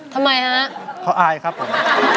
ทำไมฮะเขาอายครับผม